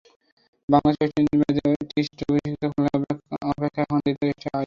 Bangladesh-West Indies match দিয়ে test অভিষিক্ত খুলনার অপেক্ষা এখন দ্বিতীয় টেস্ট আয়োজনের।